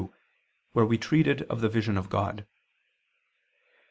2), where we treated of the vision of God.